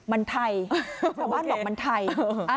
มันไทยชาวบ้านบอกมันไทย